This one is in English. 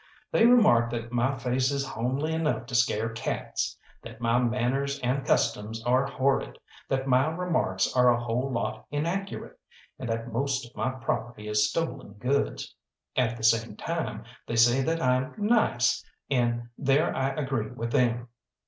They remark that my face is homely enough to scare cats, that my manners and customs are horrid, that my remarks are a whole lot inaccurate, and that most of my property is stolen goods. At the same time, they say that I'm nice, and there I agree with them.